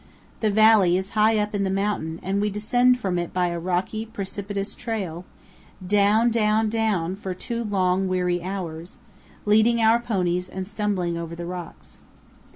The valley is high up in the mountain and we descend from it by a rocky, precipitous trail, down, down, down for two long, weary hours, leading our ponies and stumbling over the rocks.